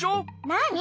なに？